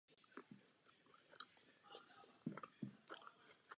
Tento požadavek se týká hodnocení jednotlivých směrnic.